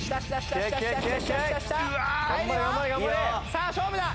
さあ勝負だ。